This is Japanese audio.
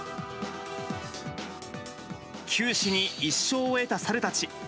九死に一生を得たサルたち。